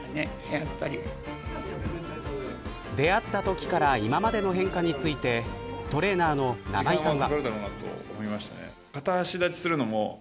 出会ったときから今までの変化についてトレーナーの生井さんは。